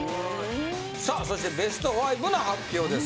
さあそしてベスト５の発表です。